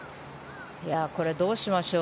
これ、どうしましょう。